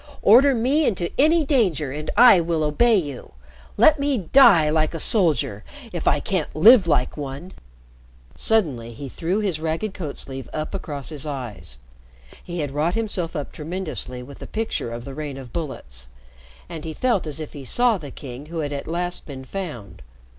Order me into any danger and I will obey you. Let me die like a soldier if I can't live like one.'" Suddenly he threw his ragged coat sleeve up across his eyes. He had wrought himself up tremendously with the picture of the rain of bullets. And he felt as if he saw the King who had at last been found.